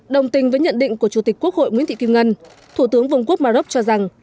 đồng tình với nhận định của chủ tịch quốc hội nguyễn thị kim ngân thủ tướng vương quốc maroc cho rằng